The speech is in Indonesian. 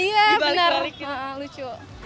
iya bener lucu